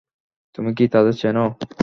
তুমি কি তাদের চেন?